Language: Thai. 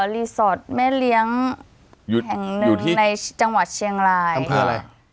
รีสอร์ทแม่เลี้ยงอยู่อยู่ที่แห่งหนึ่งในจังหวัดเชียงรายอำเภออะไร